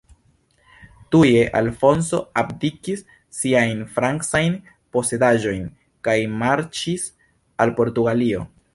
Tuje Alfonso abdikis siajn francajn posedaĵojn kaj marŝis al Portugalio.